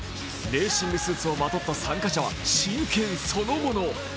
レーシングスーツをまとった参加者は真剣そのもの。